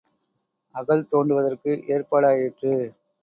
அகழ் தோண்டுவதற்கு ஏற்பாடாயிற்று.